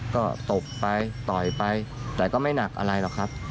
ก็ตบไปต่อยไปแต่ก็ไม่หนักอะไรหรอกครับ